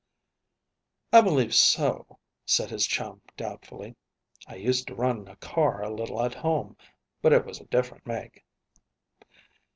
"I believe so," said his chum doubtfully. "I used to run a car a little at home, but it was a different make."